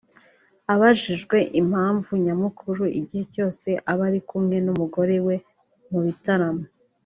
Abajijwe impamvu nyamukuru igihe cyose aba ari kumwe n’umugore we mu bitaramo